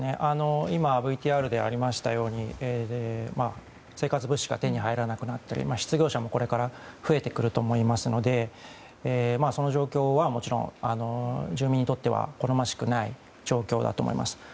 今、ＶＴＲでありましたように生活物資が手に入らなくなったり失業者もこれから増えてくると思いますのでその状況はもちろん住民にとっては好ましくない状況だと思います。